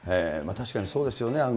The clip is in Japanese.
確かにそうですよね。